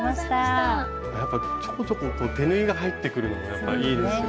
やっぱちょこちょこ手縫いが入ってくるのがいいですよね